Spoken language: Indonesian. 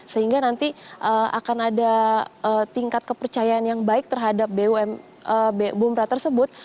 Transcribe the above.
sehingga nanti akan ada tingkat kepercayaan yang baik terhadap bumra tersebut